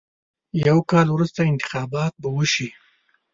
یو کال وروسته انتخابات به وشي.